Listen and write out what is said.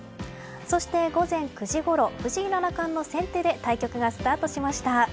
そして、午前９時ごろ藤井七冠の先手で対局がスタートしました。